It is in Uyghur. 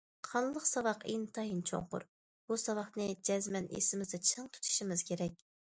قانلىق ساۋاق ئىنتايىن چوڭقۇر، بۇ ساۋاقنى جەزمەن ئېسىمىزدە چىڭ تۇتىشىمىز كېرەك.